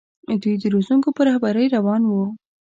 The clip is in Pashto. دوی د روزونکو په رهبرۍ روان وو.